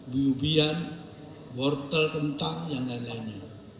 biubian wortel kentang yang lain lainnya